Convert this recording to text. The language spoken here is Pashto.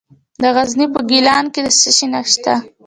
د غزني په ګیلان کې د څه شي نښې دي؟